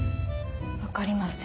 分かりません。